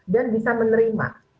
dan bisa menerima